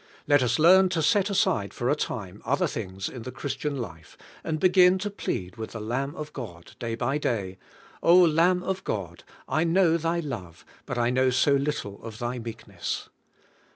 Let us learn to set aside for a time other things in the Christian life, and begin to plead with the Lamb of God day bj day, '^O Lam.b of God, I know Thy love, but I know so little of Thy meekness."